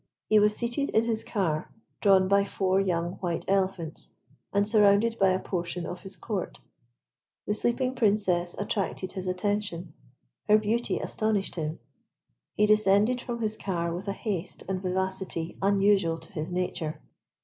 He was seated in his car, drawn by four young white elephants, and surrounded by a portion of his Court. The sleeping Princess attracted his attention. Her beauty astonished him. He descended from his car with a haste and vivacity unusual to his nature.